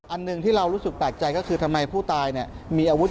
อันหนึ่งที่เรารู้สึกแปลกใจก็คือทำไมผู้ตายเนี่ยมีอาวุธ